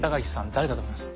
誰だと思います？